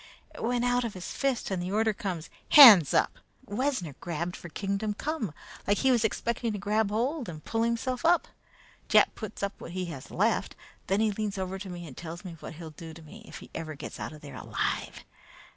It went out of his fist, and the order comes: 'Hands up!' Wessner reached for kingdom come like he was expecting to grab hold and pull himself up. Jack puts up what he has left. Then he leans over to me and tells me what he'll do to me if he ever gets out of there alive.